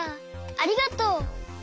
ありがとう。